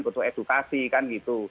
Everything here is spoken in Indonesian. butuh edukasi kan gitu